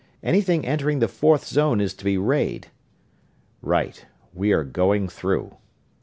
Anything entering the fourth zone is to be rayed." "Right we are going through!"